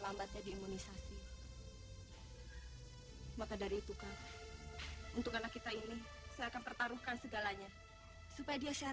kamu telah menjalankan wajiban kamu sebagai seorang imam